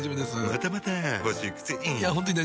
またまた欲しいくせに。